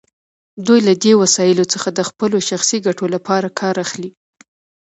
دوی له دې وسایلو څخه د خپلو شخصي ګټو لپاره کار اخلي.